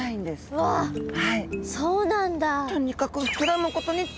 うわそうなんだ。